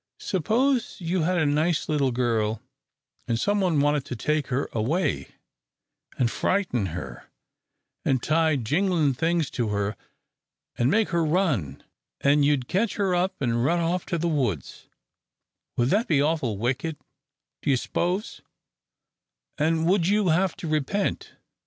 "Suppose you had a nice little girl an' some one wanted to take her away, an' frighten her, an' tie jinglin' things to her an' make her run, an' you'd ketch her up an' run off to the woods, would that be awful wicked, do you s'pose, an' would you have to repent?"